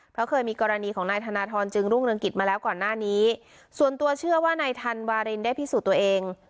เพราะเคยมีกรณีของนายธนทรจึงรุ่งเรืองกิจมาแล้วก่อนหน้านี้ส่วนตัวเชื่อว่านายธันวารินได้พิสูจน์ตัวเอง